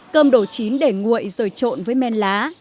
cơm đổ chín để nguội rồi trộn với men lá